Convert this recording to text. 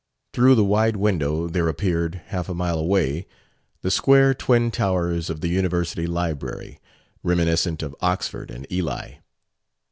Through the wide window there appeared, half a mile away, the square twin towers of the University library, reminiscent of Oxford and Ely.